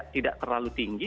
tidak terlalu tinggi